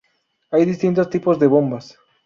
Hay distintos tipos de bombas.